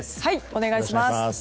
お願いします。